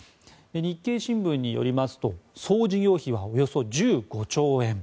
日経新聞によりますと総事業費はおよそ１５兆円。